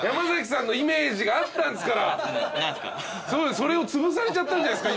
それをつぶされちゃったんじゃないですか？